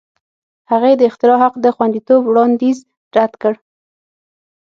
هغې د اختراع حق د خوندیتوب وړاندیز رد کړ.